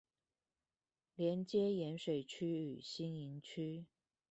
連接鹽水區與新營區